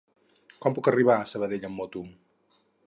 Com puc arribar a Sabadell amb moto?